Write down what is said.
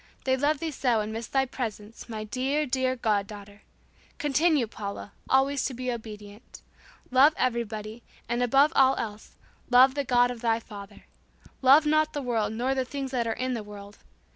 They love thee so and miss thy presence, my dear, dear god daughter! Continue, Paula, always to be obedient. Love everybody, and above all else, the God of thy father who awaits thee in heaven. Love not the world nor the things that are in the world.